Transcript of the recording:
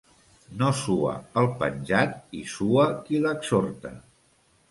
No sua el penjat i sua qui l'exhorta.